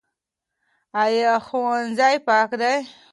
ایا ښوونځی پاک دی؟